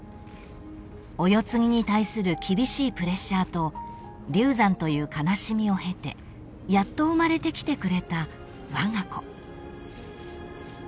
［お世継ぎに対する厳しいプレッシャーと流産という悲しみを経てやっと生まれてきてくれたわが子］